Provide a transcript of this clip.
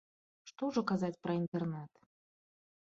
Што ўжо казаць пра інтэрнэт.